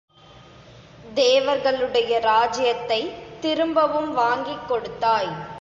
தேவர்களுடைய ராஜ்யத்தைத் திரும்பவும் வாங்கிக் கொடுத்தாய்.